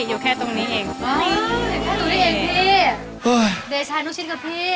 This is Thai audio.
อยู่แค่ตรงนี้เอง